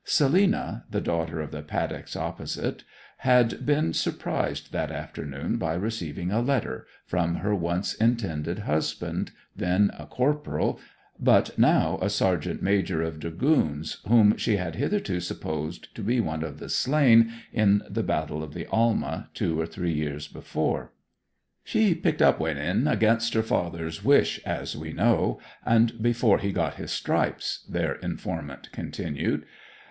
Selina, the daughter of the Paddocks opposite, had been surprised that afternoon by receiving a letter from her once intended husband, then a corporal, but now a sergeant major of dragoons, whom she had hitherto supposed to be one of the slain in the Battle of the Alma two or three years before. 'She picked up wi'en against her father's wish, as we know, and before he got his stripes,' their informant continued.